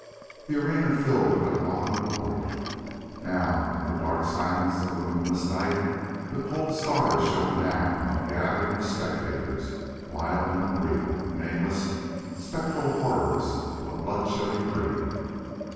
The arena filled with abominable life. Now, in the dark silence of a moonless night, the cold stars shone down on a gathering of spectators, wild and unreal nameless, spectral horrors of a blood chilling dream.